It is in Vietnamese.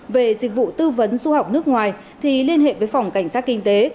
về dịch vụ tư vấn du học nước ngoài thì liên hệ với phòng cảnh sát kinh tế